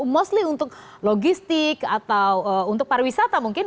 mostly untuk logistik atau untuk pariwisata mungkin